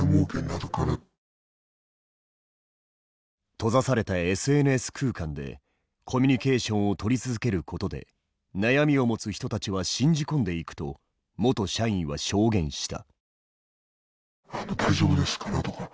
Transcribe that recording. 閉ざされたＳＮＳ空間でコミュニケーションを取り続けることで悩みを持つ人たちは信じ込んでいくと元社員は証言した。